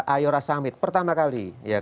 ayora summit pertama kali